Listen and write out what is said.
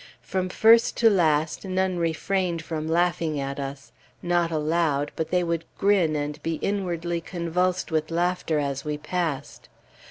From first to last none refrained from laughing at us; not aloud, but they would grin and be inwardly convulsed with laughter as we passed.